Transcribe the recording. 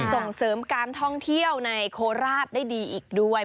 ส่งเสริมการท่องเที่ยวในโคราชได้ดีอีกด้วย